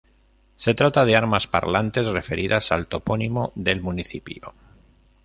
Se trata de armas parlantes referidas al topónimo del municipio.